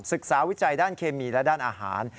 ศึกษาวิจัยด้านเคมีและด้านอาหาร